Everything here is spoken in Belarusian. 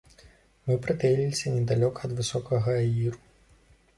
Мы прытаіліся недалёка ад высокага аіру.